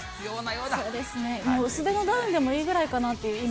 そうですね、薄手のダウンでもいいぐらいかなって、今。